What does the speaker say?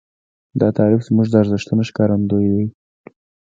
دا تعریف زموږ د ارزښتونو ښکارندوی دی.